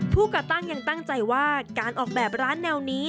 ก่อตั้งยังตั้งใจว่าการออกแบบร้านแนวนี้